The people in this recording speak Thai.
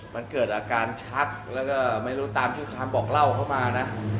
มันเกิดอาการชักแล้วก็ไม่รู้ตามที่คำบอกเล่าเข้ามานะ